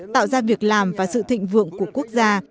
tạo ra việc làm và sự thịnh vượng của quốc gia